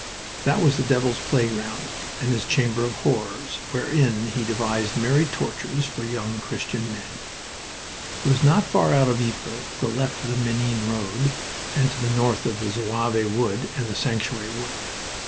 That was the devil's playground and his chamber of horrors, wherein he devised merry tortures for young Christian men. It was not far out of Ypres, to the left of the Menin road, and to the north of Zouave Wood and Sanctuary Wood.